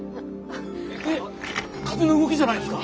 えっ風の動きじゃないんですか？